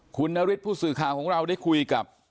คุณนฤทธิผู้สื่อข่าวของเราได้คุยกับ